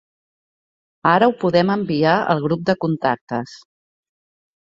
Ara ho podem enviar el grup de contactes.